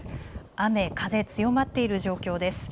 雨、風、強まっている状況です。